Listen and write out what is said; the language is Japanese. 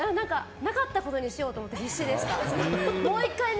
なかったことにしようと思って必死でした。